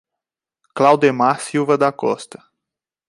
Claudemar Silva da Costa